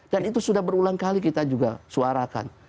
dan itu sudah berulang kali kita juga suarakan